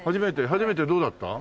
初めてどうだった？